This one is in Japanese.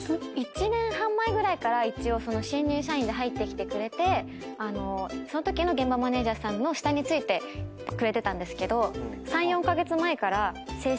１年半前ぐらいから新入社員で入ってきてくれてそのときの現場マネジャーさんの下に就いてくれてたんですけど。